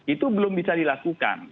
itu belum bisa dilakukan